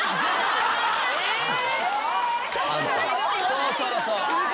そうそうそう。